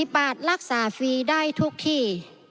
๘บาทรักษาฟรีได้ทุกที่